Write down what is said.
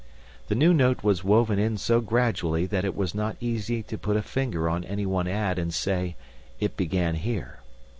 The new note was woven in so gradually that it is not easy to put a finger on any one ad and say, "It began here."